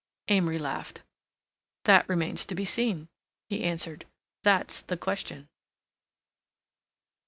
Amory laughed. "That remains to be seen," he answered. "That's the question."